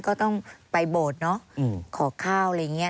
ก็ต้องไปโบสถ์เนาะขอข้าวอะไรอย่างนี้